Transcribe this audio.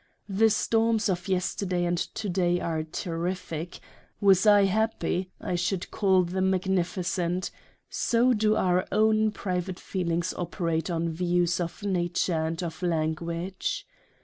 The Storms of yesterday and to day are terrific ; was I happy, I should call them Magnificent : so do our own private feelings operate on Views of Nature and of Lan guage.